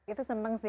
itu seneng sih